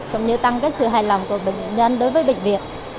cũng như tăng sự hài lòng của bệnh nhân đối với bệnh viện